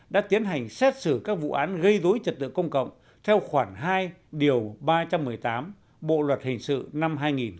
đã tiến hành xét xử các vụ án gây dối trật tự công cộng theo khoảng hai điều ba trăm một mươi tám bộ luật hình sự năm hai nghìn một mươi năm